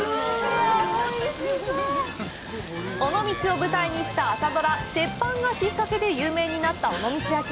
尾道を舞台にした朝ドラ「てっぱん」がきっかけで有名になった尾道焼。